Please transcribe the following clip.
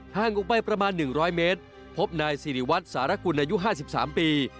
ห่างออกไปประมาณ๑๐๐เมตรพบนายสิริวัตรสารกุลอายุ๕๓ปี